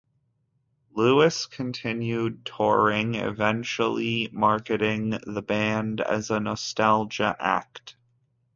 Lewis continued touring, eventually marketing the band as a nostalgia act.